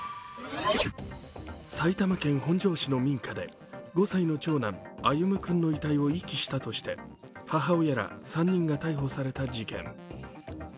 埼玉県本庄市の民家で５歳の長男歩夢君の遺体を遺棄したとして母親ら３人が逮捕された事件。